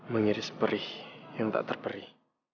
mengiris perih yang tak terperi